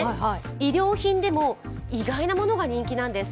衣料品でも、意外なものが人気なんです。